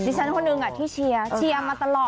ฉันคนหนึ่งที่เชียร์เชียร์มาตลอด